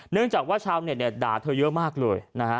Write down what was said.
เนื่องจากว่าชาวเน็ตด่าเธอเยอะมากเลยนะฮะ